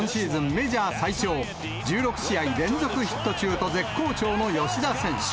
メジャー最長１６試合連続ヒット中と絶好調の吉田選手。